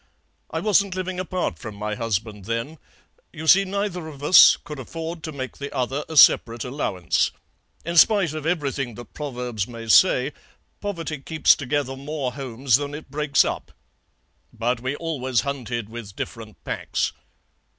I wasn't living apart from my husband then; you see, neither of us could afford to make the other a separate allowance. In spite of everything that proverbs may say, poverty keeps together more homes than it breaks up. But we always hunted with different packs.